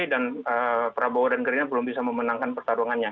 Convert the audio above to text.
dan prabowo dan gerina belum bisa memenangkan pertarungannya